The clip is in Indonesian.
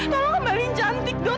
tolong kembalin cantik dok